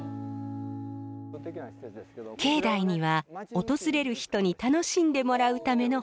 境内には訪れる人に楽しんでもらうための博物館もあります。